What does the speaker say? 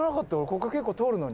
ここ結構通るのに」